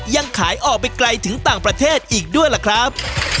ยังขายออกไปไกลถึงต่างประเทศอีกด้วยล่ะครับ